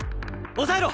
抑えろ！